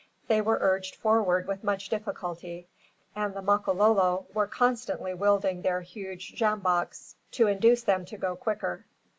They were urged forward with much difficulty, and the Makololo were constantly wielding their huge jamboks to induce them to go quicker.